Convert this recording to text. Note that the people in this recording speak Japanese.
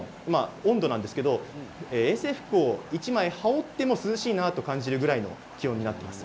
温度なんですけど衛生服を１枚羽織っても涼しいなと感じるぐらいの気温です。